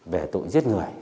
về tội giết người